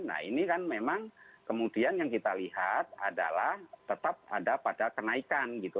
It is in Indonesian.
nah ini kan memang kemudian yang kita lihat adalah tetap ada pada kenaikan gitu